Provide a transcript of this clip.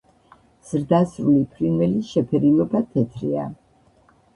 ზრდასრული ფრინველის შეფერილობა თეთრია.